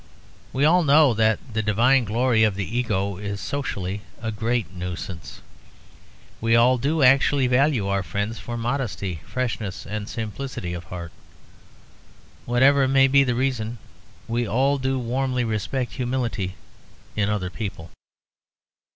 We all know that the 'divine glory of the ego' is socially a great nuisance; we all do actually value our friends for modesty, freshness, and simplicity of heart. Whatever may be the reason, we all do warmly respect humility in other people.